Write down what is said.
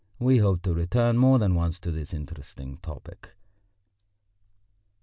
We hope to return more than once to this interesting topic."